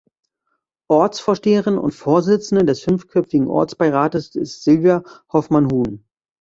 Ortsvorsteherin und Vorsitzende des fünfköpfigen Ortsbeirates ist Silvia Hoffmann-Huhn.